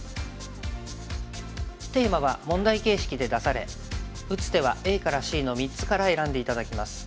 テーマは問題形式で出され打つ手はＡからＣの３つから選んで頂きます。